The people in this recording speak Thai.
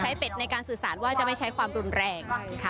เป็ดในการสื่อสารว่าจะไม่ใช้ความรุนแรงค่ะ